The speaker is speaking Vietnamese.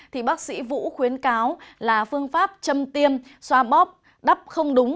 thì bác sĩ vũ khuyến cáo là phương pháp châm tiêm xoa bóp đắp không đúng